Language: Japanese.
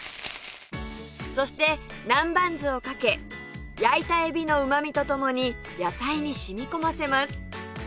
そして南蛮酢をかけ焼いたエビのうまみと共に野菜に染み込ませます